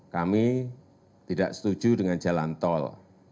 kami tidak setuju dengan jalan tol